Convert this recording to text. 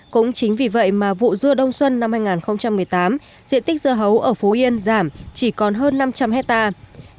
cũng chính vì vậy mà vụ dưa đông xuân năm hai nghìn một mươi tám diện tích dưa hấu ở phú yên giảm chỉ còn hơn năm trăm linh hectare